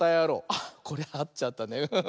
あっこれあっちゃったね。